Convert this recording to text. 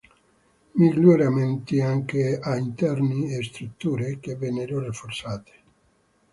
Miglioramenti anche a interni e strutture, che vennero rafforzate.